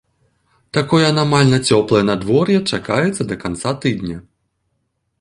Такое анамальна цёплае надвор'е чакаецца да канца тыдня.